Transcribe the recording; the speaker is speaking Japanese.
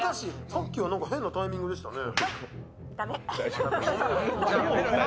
さっきは変なタイミングでしたね。